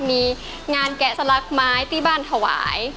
มีงานแกะสลักไม้ที่บ้านถวาย